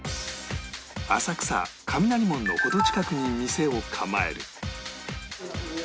浅草雷門の程近くに店を構える